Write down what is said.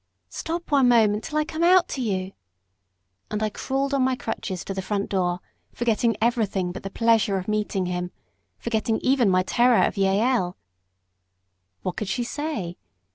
"Stop one minute till I come out to you." And I crawled on my crutches to the front door, forgetting everything but the pleasure of meeting him forgetting even my terror of Jael. What could she say?